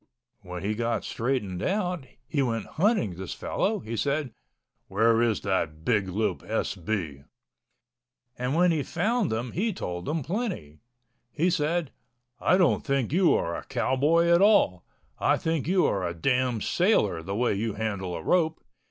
When he got straightened out, he went hunting this fellow. He said, "Where is that big loop S.B.?" and when he found him he told him plenty. He said, "I don't think you are a cowboy at all. I think you are a damn sailor the way you handle a rope.